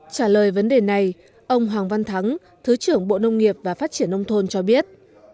trả lời vấn đề này ông hoàng văn thắng thứ trưởng bộ nông nghiệp và phát triển nông thôn cho biết